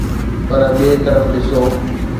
پر ٻئي طرف ڏسو